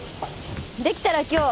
できたら今日。